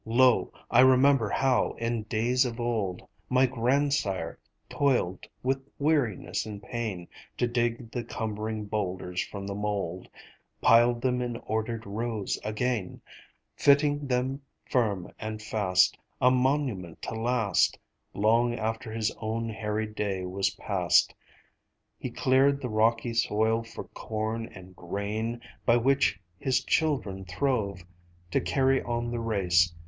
Lo, I remember how in days of old My grandsire toiled with weariness and pain To dig the cumbering boulders from the mould; Piled them in ordered rows again, Fitting them firm and fast, A monument to last Long after his own harried day was past. He cleared the rocky soil for corn and grain By which his children throve To carry on the race.